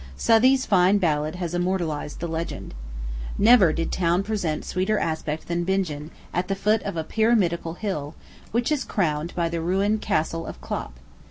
Southey's fine ballad has immortalized the legend. Never did town present sweeter aspect than Bingen, at the foot of a pyramidical hill, which is crowned by the ruined Castle of Klopp.